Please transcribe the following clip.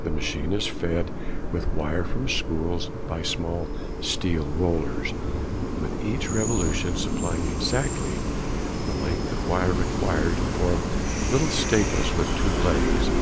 The machine is fed with wire from spools by small steel rollers, which at each revolution supply exactly the length of wire required to form little staples with two legs.